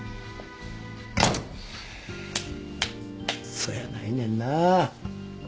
そやないねんな。